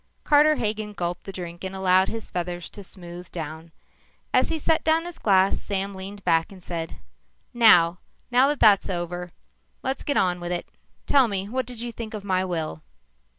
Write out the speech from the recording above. Carter Hagen gulped the drink and allowed his feathers to smooth down. As he set down his glass, Sam leaned back and said, "Now that that's over, let's get on with it. Tell me what did you think of my will?"